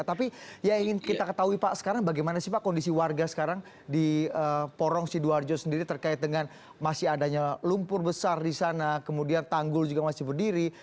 tapi yang ingin kita ketahui pak sekarang bagaimana sih pak kondisi warga sekarang di porong sidoarjo sendiri terkait dengan masih adanya lumpur besar di sana kemudian tanggul juga masih berdiri